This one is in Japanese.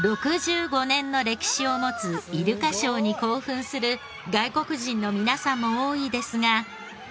６５年の歴史を持つイルカショーに興奮する外国人の皆さんも多いですが。